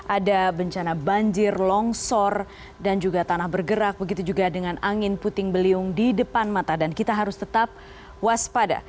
ada bencana banjir longsor dan juga tanah bergerak begitu juga dengan angin puting beliung di depan mata dan kita harus tetap waspada